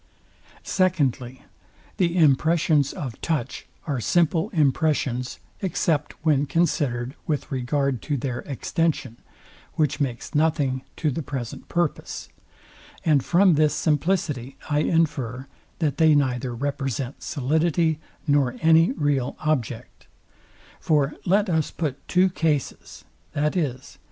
Secondly, The impressions of touch are simple impressions, except when considered with regard to their extension; which makes nothing to the present purpose: And from this simplicity I infer, that they neither represent solidity, nor any real object. For let us put two cases, viz.